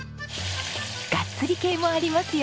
ガッツリ系もありますよ！